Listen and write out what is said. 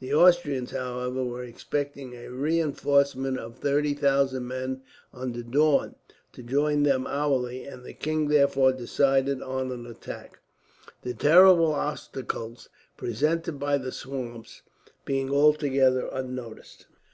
The Austrians, however, were expecting a reinforcement of thirty thousand men, under Daun, to join them hourly; and the king therefore decided on an attack, the terrible obstacles presented by the swamps being altogether unnoticed.